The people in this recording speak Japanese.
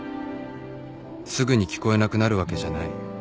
すぐに聞こえなくなるわけじゃない